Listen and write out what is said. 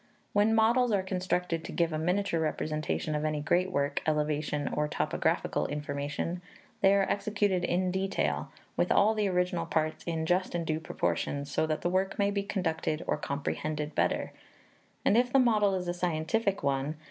When models are constructed to give a miniature representation of any great work, elevation, or topographical information, they are executed in detail, with all the original parts in just and due proportions, so that the work may be conducted or comprehended better; and if the model is a scientific one, viz.